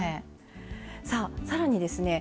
さあ更にですね